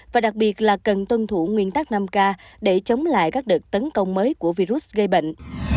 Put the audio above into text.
và đặc biệt là cần tuân thủ nguyên tắc năm k để chống lại các đợt tấn công mới của virus gây bệnh